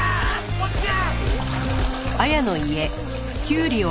こっちや！